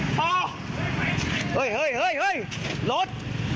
พอพอเฮ้ยเฮ้ยเฮ้ยเฮ้ยเฮ้ยรถ